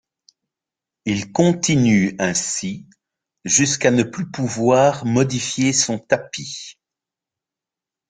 Il continue ainsi jusqu'à ne plus pouvoir modifier son tapis.